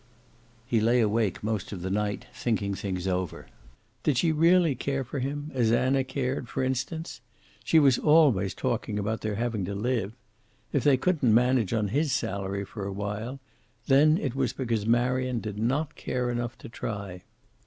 He lay awake most of the night thinking things over. Did she really care for him, as Anna cared, for instance? She was always talking about their having to live. If they couldn't manage on his salary for a while, then it was because Marion did not care enough to try.